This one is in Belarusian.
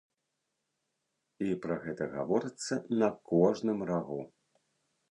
І пра гэта гаворыцца на кожным рагу.